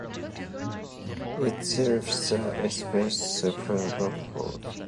It serves the Ipswich suburb of Redbank.